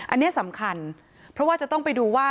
อันนี้สำคัญเพราะว่าจะต้องไปดูว่า